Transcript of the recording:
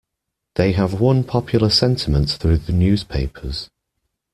They have won popular sentiment through the newspapers.